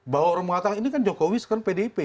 bahwa orang mengatakan ini kan jokowi sekarang pdip